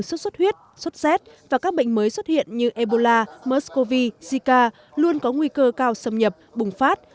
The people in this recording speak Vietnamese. sốt xuất huyết sốt xét và các bệnh mới xuất hiện như ebola mers cov zika luôn có nguy cơ cao xâm nhập bùng phát